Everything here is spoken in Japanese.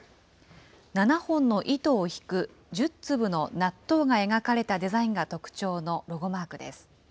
７本の糸を引く１０粒の納豆が描かれたデザインが特徴のロゴマークです。